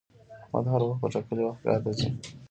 احمد هر وخت په ټاکلي وخت کار ته ځي